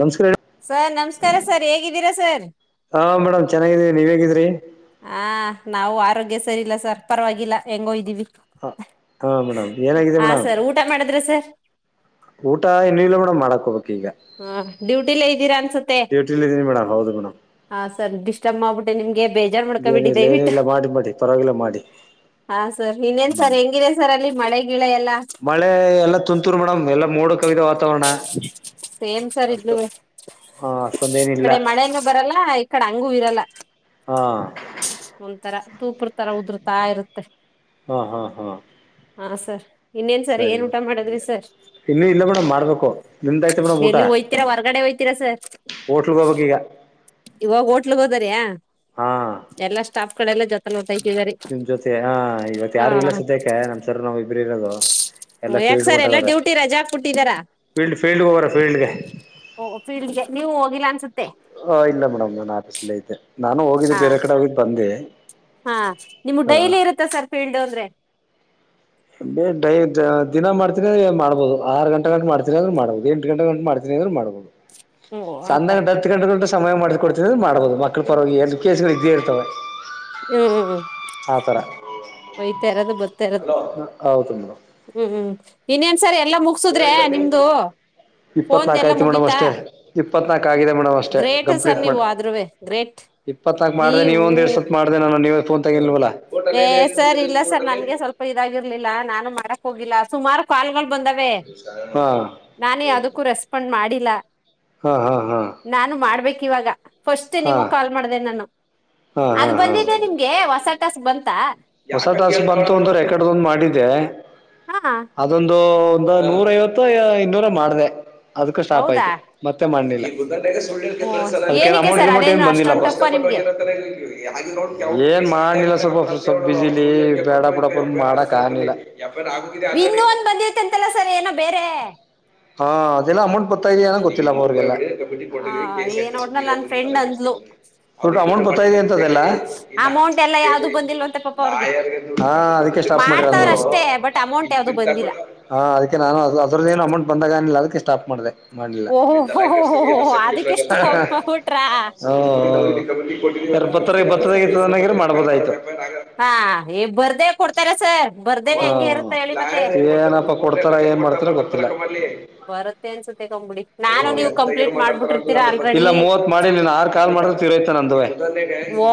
ನಮಸ್ಕಾರ ಸರ್ ನಮಸ್ಕಾರ ಸರ್ ಹೇಗಿದ್ದೀರಾ ಸರ್ ಹಾ ಮೇಡಮ್ ಚೆನ್ನಾಗಿದೀರಿ ನೀವ್ ಹೇಗಿದ್ರಿ ಹ ನಾವು ಆರೋಗ್ಯ ಸರಿ ಇಲ್ಲ ಸರ್ ಪರವಾಗಿಲ್ಲ ಹೆಂಗೋಯ್ದೀವಿ ಹ ಹಾ ಮೇಡಮ್ ಏನಾಗಿದೆ ಮೇಡಮ್ ಇಷ್ಟ ಮಾಡಿದ್ರಿ ಸರ್ ಊಟ ಇನ್ನುೂಿಲ್ಲ ಮೇಡ ಮಾಡಾಕೋಬೇಕಕ್ ಈಗ ಹಾ ಡ್ಯೂಟಿ ಇದ್ದೀರಾ ಅನ್ಸ ಡ್ಯೂಟಲ್ಲಿಿದ್ದನನೆೇಡ ಹೌದು ಬಿ್ಣ ಹಾ ಸರಿ ಡಿಸ್ಟರ್ಬ್ ಮಾಡಿಬಿಟ್ಟೆ ನಿಮ್ಗೆ ಬೇಜಾರು ಮಾಡ್ಕೊಬಿಟ್ಟು ಏನಿಲ್ಲ ದಯವಿಟ್ಟು ಏನಿಲ್ಲ ಮಾಡಿ ಮಾಡಿ ಪರವಾಗಿಲ್ಲ ಮಾಡಿ ಹಾ ಸರ್ ಇನ್ನೇನ್ ಹ್ಮ್ ಸರ್ ಹೆಂಗಿದೆ ಸರ್ ಅಲ್ಲಿ ಮಳೆ ಗಿಳ ಎಲ್ಲಾ ಮಳೆ ಎಲ್ಲಾ ತುಂತುರು ಮೇಡಮ್ ಎಲ್ಲಾ ಮೋಡ ಕವಿದ ವಾತಾವರಣ ಸೇಮ್ ಸರ್ ಇಲು ಅಷ್ಟು ಹಾ ಅಷ್ಟೊಂದೇನಿಲ್ಲ ಕಡೆ ಮಳೆನು ಬರಲ್ಲ ಆಯ್ತು ಕಡೆ ಹಂಗೂ ಇರಲ್ಲ ಹಾ ಒಂತರ ತೂಪ್ರ ತರ ಉದುರ್ತಾ ಇರುತ್ತೆ ಹಾಂ ಹಾಂ ಹಾಂ ಹಾ ಸರ್ ಇನ್ನೇನ್ ಸರ್ ಏನ್ ಸರಿಡ ಊಟ ಮಾಡದ್ರಿ ಸರ್ ಇನ್ನುೂ ಇಲ್ಲ ಕೇಡ ಮಾಡ್ಬೇಕು ನಿಂದಾಯ್ತು ಎಲ್ಲಿ ಹೋಗ್ತೀರಾ ಹೊರ್ಗಡೆ ಹಯ್ತೀರಾ ಸರ್ ಹೋಟ್ಲ್ ಗಬಕ್ಕ ಈಗ ಇವಾಗ ಹೋಟ್ಲ್ಗ್ ಹೋದಾರಯ ಹಾ ಎಲ್ಲಾ ಸ್ಟಾಫ್ ಗಳೆಲ್ಲಾ ಜೊತೆಲ್ಲ ಹೊತಾತಿದಿದ್ದಾರೆ ನಿಮ್ ಜೊತೆ ಹಾ ಇವತ್ ಯಾರು ಇಲ್ಲ ಸ್ದಕ ನಮ್ಸರ್ ನಾವವು ಇಬ್ರು ಇರೋದು ಎಲ್ಲಾ ಯಾಕ ಫೀಲ್ಡ್ ಸರ್ ಎಲ್ಲಾ ಹೊಂಟಾಗ್ರ ಡ್ಯೂಟಿ ರಜಾ ಹಾಕ್ಬಿಟ್ಟಿದಾರ ಫೀಲ್ಡ್ ಫೀಲ್ಡ್ ಹೋಗ್ರ ಫೀಲ್ಡ್ಗೆ ಓಹ ಫೀಲ್ಡ್ಗೆ ನೀವು ಹೋಗಿಲ್ಲ ಅನ್ಸುತ್ತೆ ಹ ಇಲ್ಲ ಮೇಡಮ್ ನನ್ ಆಫೀಸ್ಲ್ಲ ಐತೆ ನಾನು ಹೋಗಿದ್ದೆ ಹಾ ಬೇರೆ ಕಡೆ ಹೋಗಿದ್ದ ಬಂದೆ ಹ ೀಲ್ಡ್ೋದ್ರೆ ಬಡ ದಿನ ಮಾಡ್ತೀನ ಅ ಮಾಡಬೋದು ಆರು ಗಂಟ ಗಂು ಮಾಡ್ತೀನ ಅಂದ್ರರು ಮಾಡಬೋುದು ಎಂಟು ಗಂಟೆ ಗಂು ಮಾಡ್ತೀನಿ ಅಂದರು ಮಾಡ್ಬೋದು ಹ್ಮ್ ಸಂದ ಆತರ ಕ ಹ ಗಂಟಗಳ ಸಮಯ ಮಾಡ್ಕೊಡ್ತಿದ ಮಾಡ್ಬಹದು ಮಕ್ಳು ಪರವಾಗಿ ಎ ಕೇಸ್ಗಳು ಇದ್ದೇ ಇರ್ತವೆ ಹ್ಮ ಹ್ಮ ಆತರ ಒಯ್ತಾ ಇರೋದು ಬರ್ತಾ ಇರೋದು ಹೌದು ಮ ಹ್ಮ್ ಹ್ಮ್ ಇನ್ನೇನ್ಸರ್ ಎಲ್ಲಾ ಮುಗಸುದ್ರೆ ನಿಮ್ದು ಫೋನ್ ಇಪ್ಪತ್ನಾಕ ಎಲ್ಲಾ ಆಯ್ತು ಮೇಡಮ್ ಮುಗೀತಾ ಅಷ್ಟೇ ಇಪ್ಪತ್ನಾಕ ಆಗಿದೆ ಮೇಡಮ್ ಅಷ್ಟೇ ಗ್ರೇಟ್ ಸರ್ ಕಂಪ್ಲೀಟ್ ಮಾಡ ನೀವು ಆದ್ರುವೆ ಗ್ರೇಟ್ ಇಪ್ಪತ್ನಾಕಕ್ ಮಾಡಿದೆ ನೀವು ನೀವ ಒಂದ ಎರಡ್ ಸತ್ ಮಾಡಿದೆ ನಾನು ನೀವ ಫೋನ್ ತಗಲ್ವಲ್ಲ ಏ ಸರ್ ಇಲ್ಲ ಸರ್ ನನ್ಗೆ ಸ್ವಲ್ಪ ಇದಾಗಿರ್ಲಿಲ್ಲ ನಾನು ಮಾಡಕ್ ಹೋಗಿಲ್ಲ ಸುಮಾರು ಕಾಲ್ಗಳು ಬಂದಾವೆ ಹಾ ನಾನೇ ಅದಕ್ಕೂ ರೆಸ್ಪಾಂಡ್ ಮಾಡಿಲ್ಲ ಹಾ ಹಾ ಹಾ ನಾನು ಮಾಡ್ಬೇಕು ಇವಾಗ ಫಸ್ಟ್ ಹಾ ನಿಮ ಕಾಲ್ ಹಾ ಮಾಡಿದೆ ನಾನು ಹಾ ಅದು ಹಾ ಬಂದಿ ಈಗ ನಿಮ್ಗೆ ಹೊಸ ಟಾಸ್ಕ್ ಬಂತಾ ಹೊಸ ಟಾಸ್ಕ್ ಬಂತು ಅಂತ್ರ ರೆಕಾರ್ಡ್ದು ಮಾಡಿದ್ದೆ ಹಾ ಅದೊಂದು ಒಂದು ನೂರ ಐವತ್ತು ಇನ್ನೂರ ಮಾಡಿದೆ ಅದ್ಕ್ಕ ಸ್ಟಾಪ್ ಹೌದಾ ಆಯ್ತು ಮತ್ತೆ ಮಾಡ್ಲಿಲ್ಲ ಓ ಅದೇ ಏನಕ್ಕೆ ಅಮೌಂಟ್ ಸರ್ ಗಮೌಂಟ್ ಏನ್ ಅದೇನು ಬಂದಿಲ್ಲ ಅಷ್ಟೊಂದು ಟಫ್ ನಿಮ್ಗೆ ಏನ್ ಮಾಡಿಲ್ಲ ಸ್ವಲ್ಪ ಸ್ವಲ್ಪ ಬಿಸಿಲಿ ಬೇಡ ಬುಡು ಮುಂದ್ ಮಾಡೋಕಾಗ್ಲಿಲ್ಲ ಯ ಆಗುದಿದೆ ಆಲ್ರೆಡಿ ಂತಲ್ಲ ಸರ್ ಏನೋ ಬೇರೆ ಹಾ ಅದೆಲ್ಲ ಅಮೌಂಟ್ ಬರ್ತಾ ಇದೆಯಯನ ಗೊತ್ತಿಲ್ಲ ಅಮ್ಮ ಅವ್ರಗೆಲ್ಲ ಆ ಏನೋ ಒಟ್ನಲ್ಲಿ ನನ್ ಫ್ರೆಂಡ್ ಅಂದ್ಲು ಅಮೌಂಟ್ ಗೊತ್ತಾ ಅಂತದೆಲ್ಲ ಇಲ್ಲ ಅಮೌಂಟ್ ಎಲ್ಲ ಯಾವ್ದು ಬಂದಿಲ್ವಂತೆ ಪಾಪ ಅವ್ರಿಗೆ ಹಾ ಅದಕ್ಕೆ ಸ್ಟಾಪ್ ಮಾಡ್ತಾವ್ರ ಮಾಡಿರರು ಅಷ್ಟೇ ಬಟ್ ಅಮೌಂಟ್ ಯಾವ್ದು ಬಂದಿಲ್ಲ ಹ ಅದಕ್ಕೆ ನಾನು ಅದ್ರದ ಏನು ಅಮೌಂಟ್ ಬಂದಾಗನಿಲ್ಲ ಅದಕ್ಕೆ ಸ್ಟಾಪ್ ಮಾಡಿದೆ ಮಾಡಲಿಲ್ಲ [inaudible] ಓಹೋ ಅದಕ್ಕೆ ಸ್ಟಾಪ್ ಮಾಡ್ಬಿಟ್ರಾ ಓ ಎರ ಬತ್ತಾರ ಸರಿ ಬತ್ತದಾಗ ಸರಿ ಇತ್ತುದನಗ್ರ ಮಾಡ್ಬೋದಗಿತ್ತು ಹಾ ಹ ಬರ್ದೇ ಕೊಡ್ತ ಹಾ ಏನಪ್ಪ ಕೊಡ್ತಾರ ಏನ್ ಮಾಡ್ತಾರ ಗೊತ್ತಿಲ್ಲ ಬರುತ್ತೆ ಅನ್ಸುತ್ತೆ ಕಂಬಿಡಿ ನಾನು ನೀವು ಕಂಪ್ಲೀಟ್ ಮಾತಡ್ತಾರ ಮಾಡ್ಬಿಟ್ಟಿರ್ತೀರಾ [unintelligible] ಇಲ್ಲ ಆಲ್ರೆಡಿ ಮೂವತ್ ಮಾಡಿ ಆರ್ ಕಾಲ್ ಮಾಡ ತೀರೈತೆ ನಂದುವೆ ಓ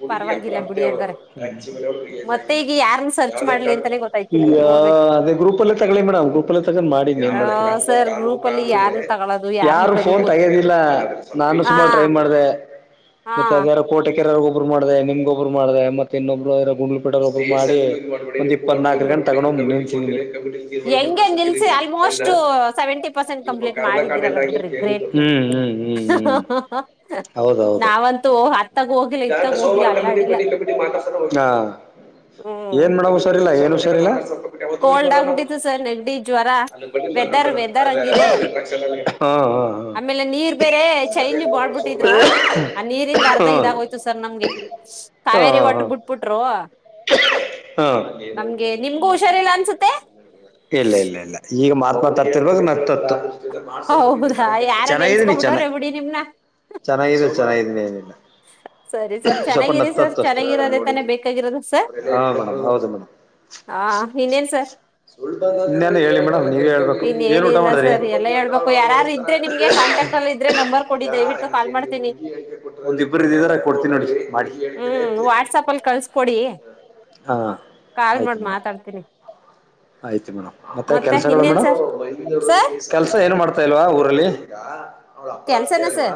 ಹಡುಗಿಯ ಅ ಪರವಾಗಿಲ್ಲ ಪ್ರಾಪ್ತ ಬಿಡಿ ಅವ ಹಂಗಾರೆ [unintelligible] ಅಚು ಪೇರ ಅವ ಮತ್ತೆ ಈಗ ಯಾರನ್ ಸರ್ಚ್ ಮಾಡ್ಲಿ ಅಂತಾನೆ ಗೊತ್ತಾಯ್ತಿಲ್ಲ ನೋಡ್ಬೇಕು ಅದೇ ಗ್ರೂಪಲ್ಲಿ ತಗೋಳಿ ಮೇಡಂ ಮಾಡಿನಿ ಏನ್ ಆ ಮಾಡ್ತೀರ ಸರ್ ಗ್ರೂಪ್ ಅಲ್ಲಿ ಯಾರನ್ ತಗೊಳೋದು ಯಾರನ್ ಯಾರು ಬಿಡೋದು ಫೋನ್ ಗೊತ್ತ ತಗೋದಿಲ್ಲ [inaudible] ನಾನು ಹಾ ಸುಮಾರ ಟ್ರೈ ಮಾಡ್ದೆ ಹಾ ಕೋಟೆ ಕೆರ್ರಗೊಬ್ರು ಮಾಡಿದೆ ನಿಮ್ಗೊಬ್ರು ಮಾಡಿದೆ ಮತ್ತ ಇನ್ನೊಬ್ರು ಗುಂಡ್ಲುಪೇಟೆಗೋಬ್ರುಗೇ ಮಾಡಿ ಪ ನಾಕಗ ಹ್ಮ್ ತಗಣೋ ಮು [unintelligible] ತೀರ್ ಮಾಡತ ಹೆಂಗೆ ಸುಕ್ಕಿದ ನಿಲ್ಸಿ ನೀವು ಆಲ್ಮೋಸ್ಟ್ ಅರಿನಾ ಸೆವೆಂಟಿ ಪರ್ಸೆಂಟ್ ಇ ಕಂಪ್ಲೀಟ್ ಕರ್ದ ಮಾಡಿದ್ದೀರಲ್ಲ ಕಾಡಟಾಗಿ ಬಿಡ್ರಿ ಗ್ರೇಟ್ [unintelligible] ನೀವು ಹ್ಮ್ ಹ್ಮ್ ಹ್ಮ್ ಹ್ಮ್ ಹೌದ ಹೌದು ನಾವಂತೂ ಅತ್ತಾಗ ಹೋಗಿಲ್ಲ ಈಗ ಇತ್ತಾಗ ಹೋಗಿಲ್ಲ ಸೋವಾರ ಕಮಿಟಿ ಅಲ್ಲಾಡಿಲ್ಲ ಹಾ ಹ್ಮ್ ಏನ್ ಮಾಡವು ಹಷಾರ ಇಲ್ಲ ಏನು ಹುಷಾರ ಇಲ್ಲ ಕೋಲ್ಡ್ ಆಗ್ಬಿಟ್ಟಿತ್ತು ಸರ್ ನೆಂಗಡಿ ಜ್ವರ ಅಲ್ಲಿ ಬಡ್ಡಿ ವೆದರ್ ಮಾತಾಡ್ಸಣ ವೆದರ್ ಹಂಗಿದೆ ಆದ್ರೆ ಹಾ ಹಾ ಆಮೇಲೆ ನೀರ್ ಬೇರೆ ಚೈಂಜ್ ಮಾಡಬಿಟ್ಟಿದ್ರು ಹಾ ಆ ನೀರಿಂದ ಅರ್ಧ ಹಾ ಇದಾಗೋ ಸರ್ ನಮ್ಗೆ ಹಾ ಕಾವೇರಿ ಹಾ ವಾಟರ್ ಬಿಟ್ಬಿಟ್ರು ಹಾ [inaudible] ನಮ್ಗೆ ನಿಮ್ಗೂ ಹುಷಾರಿಲ್ಲ ಅನ್ಸುತ್ತೆ ಇಲ್ಲ ಇಲ್ಲ ಇಲ್ಲ ಈಗ ಮಾತ್ ಮಾತಾತಿರ್ಬೇಕಾಗ ನತ್ತೆತ್ತು ಹೌದಾ ಯಾರ ಚೆನ್ನಾಗಿದ್ದೀನಿ ಚೆನ್ನಾಗಿದ್ದೀನಿ ನೆನ್ಸ್ಕೊಬಿಟ್ಟವ್ರೆ ಬಿಡಿ ನಿಮ್ನ ಚೆನ್ನಾಗಿದ್ದೀನಿ, ಚೆನ್ನಾಗಿದ್ದೀನಿ ಏನಿಲ್ಲ ಸರಿ ಸರ್ ಸ್ವಲ್ಪ ಚೆನ್ನಾಗಿರಿ ಸರ್ ಚೆನ್ನಾಗಿರೋದೇ ತಾನೆ ಬೇಕಾಗಿರೋದು ಸರ್ ಹ ಮ ಹೌದು ಮೇಡಂ ಹಾ ಇನೇನ್ ಸರ್ ಇನ್ನೇನು ಹೇಳಿ ಮೇಡಮ್ ನೀವೆ ಹೇಳ್ಬೇಕು ಏನು ಊಟ ಇನ್ನೇನಿಲ್ಲ ಮಾಡಿದ್ರಿ ಸರ್ ಎಲ್ಲ ಹೇಳ್ಬೇಕು ಯಾರು ಇದ್ರೆ ನಿಮ್ಗೆ ಕಾಂಟ್ಯಾಕ್ಟ್ ಅಲ್ಲಿ ಇದ್ರೆ ನಂಬರ್ ಕೊಡಿ ದಯವಿಟ್ಟು ಕಾಲ್ ಮಾಡ್ತೀನಿ ಒಂದಿಬ್ರು ಇದಿದಾರ ಕೊಡ್ತೀನಿ ನೋಡಿ ಮಾಡಿ ಹ್ಮ್ ವಾಟ್ಸಪ್ ಅಲ್ಲಿ ಕಳ್ಸ್ಕೊಡಿ ಹಾ ಆಯ್ತು ಮೇಡಮ ತರ್ತೀನಿ ಆಯ್ತ ಮೇಡಮ್ ಮತ್ತೆ ಕೆಲ್ಸಗಳು ಇನ್ನೇನ್ ಮೇಡಂ ಸರ್ ಸರ್ ಕೆಲ್ಸ ಏನ್ ಮಾಡ್ತಾ ಇಲ್ವಾ ಊರಲ್ಲಿ ಅಪ್ರಾಪ್ತೆ ಕೆಲ್ಸನ ಅಲ್ವಾ ಸರ್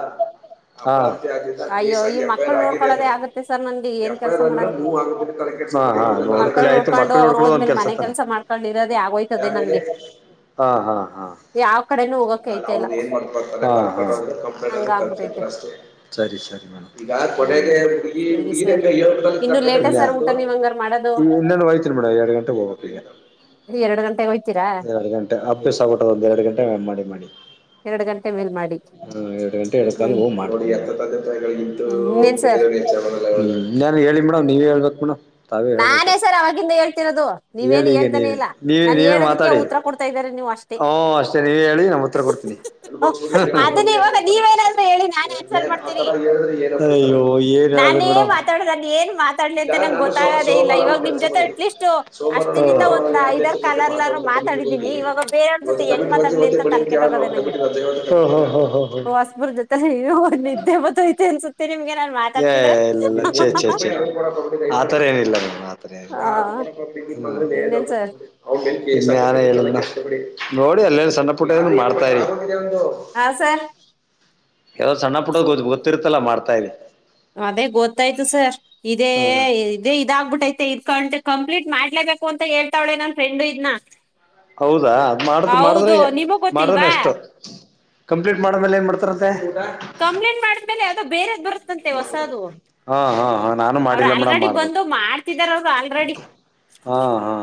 [inaudible] ಮತ್ತೆ ಆ ಕೇಸ್ ಅಯ್ಯೋ ಈ ಆಗಿ ಎಫ್ ಐ ಆರ್ ಮಕ್ಕಳ್ ಆಗಿದ ಅ ನೋಡ್ಕೊಳ್ಳೋದೇ ನಾವು ಆಗುತ್ತೆ ಸರ್ ನನ್ಗೆ ಏನ್ ಎಫ್ ಐ ಕೆಲ್ಸ ಆರ್ ಮಾಡಣ ಅಂದ್ರ ನೀವ್ ಆಗುದ್ರ [unintelligible] ಹ ಹಾ ನೋಡ್ಕೊಳಿ ಆಯ್ತು ಮಕ್ಕಳು ನೋಡ್ಕೊಳ್ಳೋದು ಒಂದ್ ಕೆಲ್ಸತಾನೆ [inaudible] ಇರೋದೆ ಆಗೋಯ್ತು ಹಾ ಹಾ ಹಾ ಯಾವ್ ಕಡೆನೂ ಹೋಗಕ್ಕೆ ನ ಐತೆ ಹದು ಇಲ್ಲ ಏನ್ ಮಾಡ್ತತದೆ ಕಂಪ ಹಂಗ ಕಿದ್ರ ಆಗ್ಬಿಟೈತೆ ಅಷ್ಟ [inaudible] ಸರಿ ಸರಿ ಮೇಡ್ ಈಗ ಹ್ಮ್ ಕೊಡಗೆ ಹುಗಿ ಸರಿ ಹುಗಿನ ಸರ್ ಇನ್ನು ಲೇಟ ಸರ್ ಊಟ [inaudible] ನೀವ್ ಹಂಗಾರ್ ಮಾಡೋದು ಈ ಇನ್ನೇತರಿ ಮೇಡ ಎಡು ಗಂಟ ಹೋಗಬೇಕ ಈಗ ಎರಡು ಗಂಟೆಗೆ ಹೋಗ್ತೀರಾ ಎರಡು ಗಂಟೆ ಅಭ್ಯಾಸ ಆಬಿಟ್ಟದ ಒಂದ ಎರಡು ಗಂಟೆ ಮ ಮಾಡಿ ಮಾಡಿ ಎರಡು ಗಂಟೆ ಮೇಲ್ ಮಾಡಿ ಹ ಎರಡು ಗಂಟೆ ಎರ ತ ಹ್ಮ್ ಹ ಮಾಡ್ಡಿ ಎತ್ತ ತ ಇದ್ದು ಹ್ಮ್ ಇನ್ನೇನ್ ಬೇ ಸರ್ ಹ್ಮ ನಾನನ್ ಹೇಳಿ ಮೇಡಮ್ ನೀವೇಳ್ಬೇಕಕ್ ಮೇಡ ನಾನೇ ಸರ್ ಅವಾಗಿಂದ ಹೇಳ್ತಿರೋದು ನೀವೇನು ಹೇಳಿ ಈಗ ಹೇಳ್ತಾನೆ ನೀವೇ ಇಲ್ಲ ನೀವೇ ನಾನು ನೀವೇ ಹೇಳೋದಕ್ಕೆ ಮಾತಾಡಿ. ಉತ್ತರ ಕೊಡ್ತಾ ಇದ್ದಾರೆ ನೀವು ಅಷ್ಟೇ ಹಓ ಅಷ್ಟೇ ನೀವ ಹೇಳಿ ನಾ ಉತ್ತರ ಕೊಡ್ತೀನಿ ಅದನ್ನ ಇವಾಗ ನೀವೇನಾದ್ರೂ ಹೇಳಿ ನಾನನ್ ಆನ್ಸರ್ ಮಾಡ್ತೀನಿ ಅಯ್ಯೋ ಏನ್ ಹೇಳದು ನಾನೇ ಮೇಡಮ್ ಮಾತಾಡ ಅಲ್ಲಿ ಏನ್ ಮಾತಾಡ್ಲಿ ಅಂತ ನಂಗೆ ಗೊ ಸೋಮಾರ ಕೆಲಸ ಮಾಡಿ ಸೋಮಾರ ಅಷ್ಟಿನಿಂದ ಒಂದ್ [unintelligible] ಐದಾರ್ ಕಲರ್ಲಾರು ಮಾತಾ ಕಮಿಟಿ ಮಾತಾಡಿದೀನಿ ಹ ಇವಾಗ ಬೇರೆಯವ್ರ ಜೊತೆ ಇವತ್ತು ಹೆಂಗ್ ಕಮಿಟಿ ರಾಜೆ ಮಾತಾಡ್ಲಿ ಹೊ ಯ ಅಂತ ತಲೆ ಕಮಿಟಿವ ಓ ಓ ಓ ಓಹ್ ಹಾಸ್ಮುರ್ ಜೊತೆ ನಿದ್ದೆ ಮತ್ತ ಐತೆ ಅನ್ಸುತ್ತೆ ತೆರೆ ಮೇಗೆ [unintelligible] ಲ್ಹೇ ಇಲ್ಲ ಇಲ್ಲ ಚಿ ಚಿ ಆತರ ಏನಿಲ್ಲ ಮೇಡ್ ಆತರ ಆ, ಏನಿಲ್ಲ ಇನ್ನೇನ್ ಸರ್ [unintelligible] [unintelligible] ನೋಡಿ ಅಲ್ಲೇನ್ ಸಣ್ಣ ಪುಟ್ಟ ಮಾಡ್ತಾರಿ ಹಾ ಸರ್ ಯಾವೋ ಸಣ್ಣ ಪುಡದ ಗೊತ್ತು ಗೊತ್ತಿತ್ತಲ್ಲ ಮಾಡುತ ಇರೆ ಅದೇ ಗೊತ್ತಾಯ್ತು ಸರ್ ಇದೇ ಹ್ಮ್ ಇದೇ ಇದಾಗ್ಬಿಟ್ಟೈಐತೆ ಇದ್ ಕ ಕಂಪ್ಲೀಟ್ ಮಾಡ್ಲೇಬೇಕು ಅಂತ ಹೇಳ್ತಾವಳೆ ನನ್ ಫ್ರೆಂಡ್ ಇದ್ನ ಹೌದಾ ಅದ್ ಮಾಡ್ದ ಮಾಡಿದ್ರೆ ಹೌದು ನಿಮಗ್ ಮಾಡ್ದನ ಗೊತ್ತಿಲ್ವಾ ಅಷ್ಟು ಕಂಪ್ಲೀಟ್ ಮಾಡ್ಮೇಲೆ ಏನ್ ಮಾಡ್ತಾರಂತೆ ಕಂಪ್ಲೇಂಟ್ ಮಾಡ್ಮೇಲೆ ಅದದು ಬೇರೆದ್ ಬರುತ್ತಂತೆ ಹೊಸದು ಹಾ ಹಾ ಹಾ ನಾನು ಅವರು ಮಾಡಿಲ್ಲ ಮೇಡಮ್ ಆಲ್ರೆಡಿ ಮಾಡ್ಬೇಕು ಬಂದು ಮಾಡ್ತಿದಾರ ಅವರು ಆಲ್ರೆಡಿ ಹಾ ಹಾ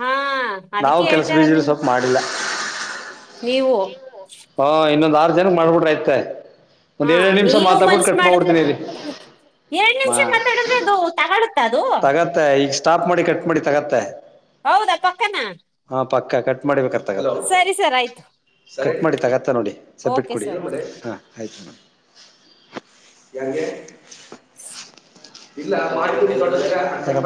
ಹಾ ನಾವು ಅದಕ್ಕೆ ಕೆಲಸ ಹೇಳ್ತಾರ ಬೀಜಲಿ ಸ್ವಲ್ಪ ನಿನ್ಗೆ ಮಾಡಿಲ್ಲ ನೀವು ಹಾ ಇನ್ನೊಂದ್ ಆರು ಜನನ್ ಮಾಡ್ಬಿಡ್ರ ಐತೆ ಒಂದ್ ಹಾ ಏರಡು ನಿಮಿಷ ನೀವು ಮಾತಾಬಟ್ಟು ಕಟ್ ಮಾಡಬಿಡ್ತಿನನಿಲ್ಲಿ ಏಳ್ ನಿಮಿಷ ಬಂದಾಡಿದ್ರೆ ಅದು ತಗಳುತ್ತ ಅದು ತಗತ್ತೆ ಈಗ ಸ್ಟಾಪ್ ಮಾಡಿ ಕಟ್ ಮಾಡಿ ತಗತ್ತೆ ಹೌದಾ ಪಕ್ಕನಾ ಹಾ ಪಕ್ಕಾ ಕಟ್ಟ ಮಾಡ ಕಟ್ ಸರಿ ಸರ್ ಆಯ್ತು ಓಕೆ ಮಾಡಿ ತಗತ್ತ ನೋಡಿ ಸುಬ್ಮಿತ್ ಓಕೆ ಕುಡಿ ಸರ್ ಹ ಓಕೆ ಆಯತ ಮೇಡಂ ಯಗೆ [unintelligible] [inaudible]